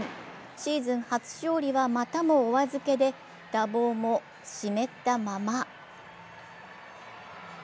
シーズン初勝利は、またもお預けで打棒も湿ったまま。